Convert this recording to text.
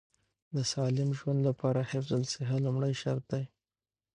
د سالم ژوند لپاره حفظ الصحه لومړی شرط دی.